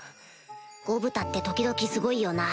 ゴブタって時々すごいよな